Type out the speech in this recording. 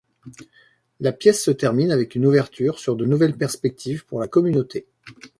La pièce se termine avec une ouverture sur de nouvelles perspectives pour la communauté.